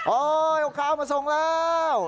เอาข้าวมาส่งแล้ว